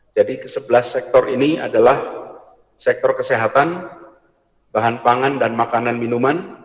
jadi ke sebelas sektor ini adalah sektor kesehatan bahan pangan dan makanan minuman